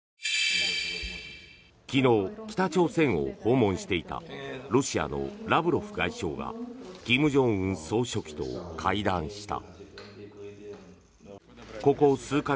昨日、北朝鮮を訪問していたロシアのラブロフ外相が金正恩総書記と会談した。